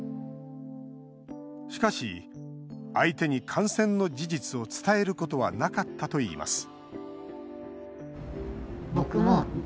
しかし相手に感染の事実を伝えることはなかったといいます